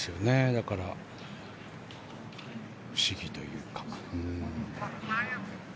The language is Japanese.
だから、不思議というか。